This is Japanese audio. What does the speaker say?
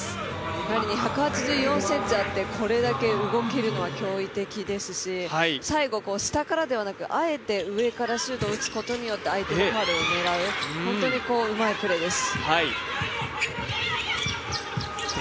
やはり１８４ｃｍあってこれだけ動けるのは驚異的ですし、最後、下からではなくあえて上からシュートを打つことによって相手のファウルを狙う本当にうまいプレーです。